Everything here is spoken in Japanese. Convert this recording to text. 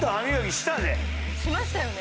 しましたよね。